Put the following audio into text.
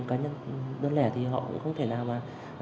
các nạn nhân đơn lẻ thì họ cũng không thể nào